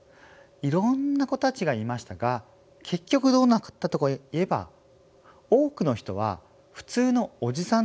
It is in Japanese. いろんな子たちがいましたが結局どうなったかといえば多くの人はふつうのおじさんとおばさんになってます。